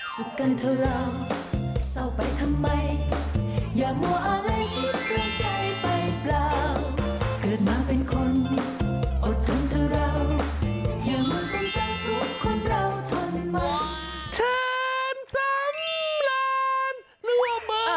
เชิญสำราญรั่วเบอร์บานดวงใจ